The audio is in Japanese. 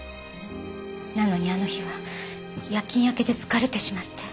なのにあの日は夜勤明けで疲れてしまって。